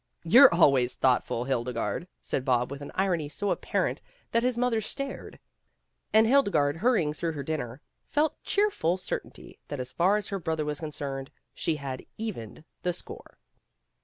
"You're always thoughtful, Hildegarde," said Bob with an irony so apparent that his mother stared. And Hildegarde hurrying through her dinner, felt cheerful certainty that as far as her brother was concerned, she had evened the score.